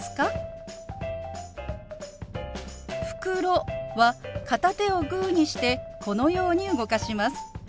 「袋」は片手をグーにしてこのように動かします。